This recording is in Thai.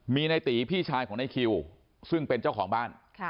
มีในตีพี่ชายของในคิวซึ่งเป็นเจ้าของบ้าน